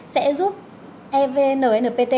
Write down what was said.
sẽ giúp evnnpt